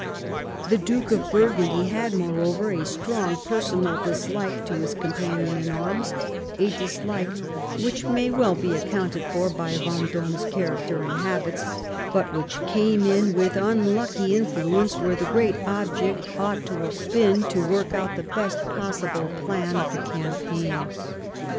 The Duke of Burgundy had, moreover, a strong personal dislike to his companion in arms, a dislike which may well be accounted for by Vendome's character and habits, but which came in with unlucky influence where the great object ought to have been to work out the best possible plan of campaign.